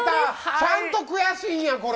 ちゃんと悔しいやん、これ。